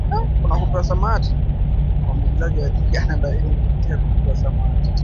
uambukizaji wa ndigana baridi kupitia kwa kupe wa samawati